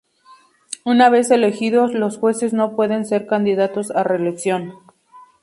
Una vez elegidos, los jueces no pueden ser candidatos a reelección.